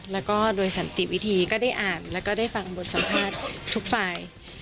แล้วก็โดยสันติวิธีก็ได้อ่านแล้วก็ได้ฟังบทสัมภาษณ์ทุกฝ่าย